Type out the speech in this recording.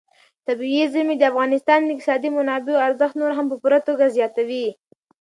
طبیعي زیرمې د افغانستان د اقتصادي منابعو ارزښت نور هم په پوره توګه زیاتوي.